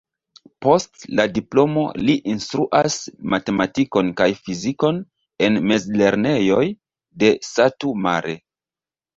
Post la diplomo li instruas matematikon kaj fizikon en mezlernejoj de Satu Mare.